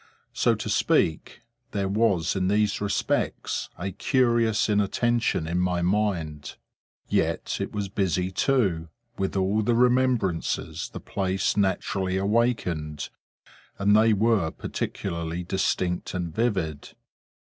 So to speak, there was in these respects a curious inattention in my mind. Yet it was busy, too, with all the remembrances the place naturally awakened; and they were particularly distinct and vivid.